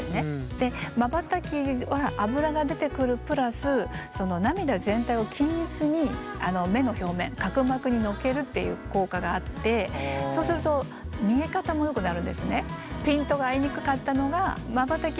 でまばたきはアブラが出てくるプラスその涙全体を均一に目の表面角膜にのっけるっていう効果があってそうすると見え方もよくなるんですね。